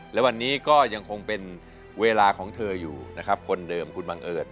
และวันนี้ก็ยังคงเป็นเวลาของเธออยู่นะครับคนเดิมคุณบังเอิญ